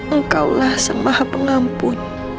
engkaulah semaha pengampun